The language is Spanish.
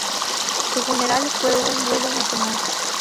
Su funeral fue un duelo nacional.